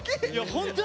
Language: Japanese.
ホントに？